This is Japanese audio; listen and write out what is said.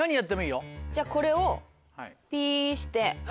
じゃあこれをピして。